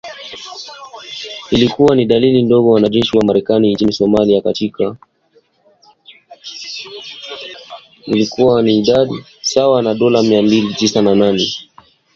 sawa na dola mia mbili tisini na nane